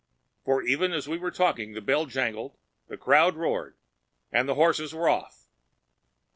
For even as we were talking, the bell jangled, the crowd roared, and the horses were off.